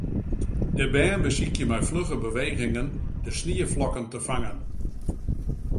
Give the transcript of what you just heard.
De bern besykje mei flugge bewegingen de snieflokken te fangen.